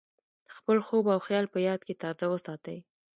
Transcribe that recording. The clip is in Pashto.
خپل خوب او خیال په یاد کې تازه وساتئ.